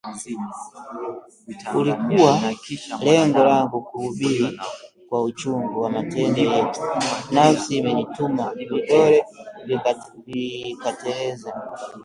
Halikuwa lengo langu kuhubiri, kwa uchungu wa matendo yetu nafsi imenituma, vidole vikateleza